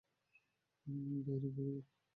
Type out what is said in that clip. Very, very good.